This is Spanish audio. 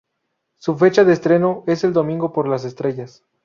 Su fecha de estreno es el domingo por Las Estrellas.